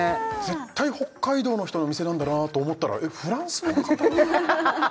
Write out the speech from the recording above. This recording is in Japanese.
絶対北海道の人の店なんだなと思ったらえっフランスの方！？